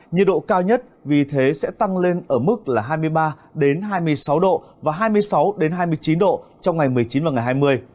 nhiệt độ cao nhất vì thế sẽ tăng lên ở mức là hai mươi ba hai mươi sáu độ và hai mươi sáu hai mươi chín độ trong ngày một mươi chín và ngày hai mươi